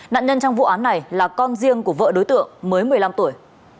nạn nhân trong vụ án này là con riêng của vợ đối tượng mới một mươi năm tuổi